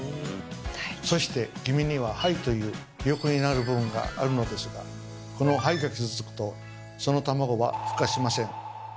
そして黄身には「胚」というヒヨコになる部分があるのですがこの胚が傷つくとその卵はふ化しません。